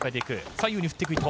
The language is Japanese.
左右に振っていく伊藤。